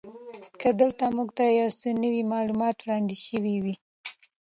که دلته موږ ته یو څه نوي معلومات وړاندې شوي وی.